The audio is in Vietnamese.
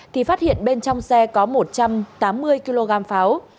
thì phát hiện bên trong xe có một trăm tám mươi kg pháo